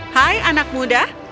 hai anak muda